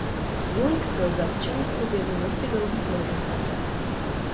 Jung byl zatčen v průběhu Noci dlouhých nožů.